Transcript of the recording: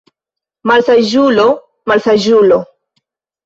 Malsaĝulo, malsaĝulo!